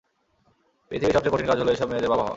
পৃথিবীর সবচেয়ে কঠিন কাজ হল এসব মেয়েদের বাবা হওয়া।